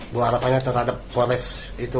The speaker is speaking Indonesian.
bu apakah anda terhadap proses itu